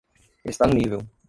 Está no nível.